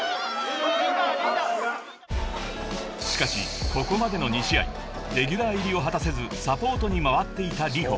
［しかしここまでの２試合レギュラー入りを果たせずサポートに回っていたＲｉｈｏ］